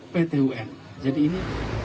pt un jadi ini